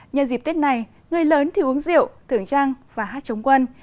nhờ dịp tết này người lớn thì uống rượu thưởng trăng và hát chống quân